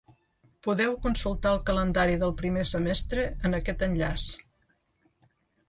Podeu consultar el calendari del primer semestre en aquest enllaç.